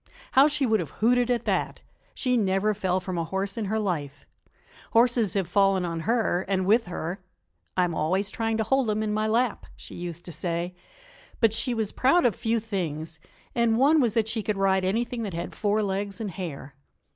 How she would have hooted at that! She never fell from a horse in her life. Horses have fallen on her and with her "I'm always trying to hold 'em in my lap," she used to say. But she was proud of few things, and one was that she could ride anything that had four legs and hair.